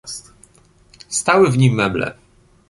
"Stały w nim meble."